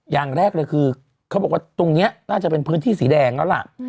อย่างแรกเลยคือเขาบอกว่าตรงนี้น่าจะเป็นพื้นที่สีแดงแล้วล่ะ